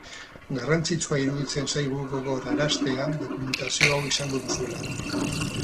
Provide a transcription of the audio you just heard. Garrantzitsua iruditzen zaigu gogoraraztea dokumentazio hau izango duzuela.